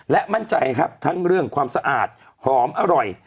และมั่นใจครับทั้งเรื่องความสะอาดหอมอร่อย